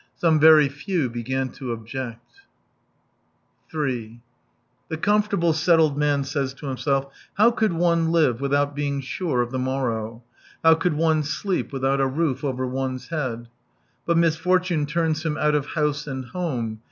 Some very few begun to object 3 The comfortable settled man says to himself: "How could, one live without being sure of the morrow ; how could one sleep without a roof over one's head ?" But misfortune turns him out of house and home.